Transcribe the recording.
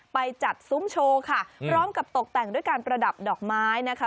ไปจัดซุ้มโชว์ค่ะพร้อมกับตกแต่งด้วยการประดับดอกไม้นะคะ